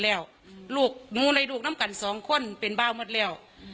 ลูกหนูลูกแก่ง๒คนเป็นบ้าหมดแล้ว